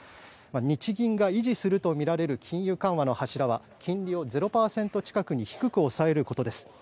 日銀が維持するとみられる金融緩和の柱は金利を０％近くに低く抑えることです。